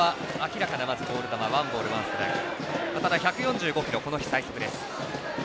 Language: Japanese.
１４５キロ、この日最速です。